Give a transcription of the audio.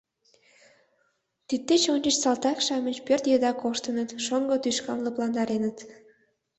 Тиддеч ончыч салтак-шамыч пӧрт еда коштыныт, шоҥго тӱшкам лыпландареныт.